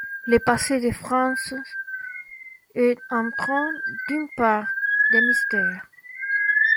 Le passé de Frances est empreint d'une part de mystère.